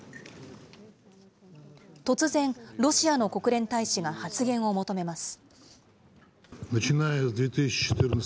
突然、ロシアの国連大使が発言を求めます。